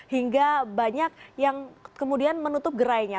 hingga banyak yang kemudian menutup gerainya